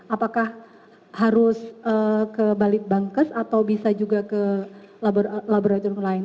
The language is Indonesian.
apakah harus ke balit bangkes atau bisa juga ke laboratorium lain